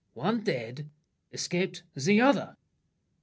One, dead! Escaped, the other!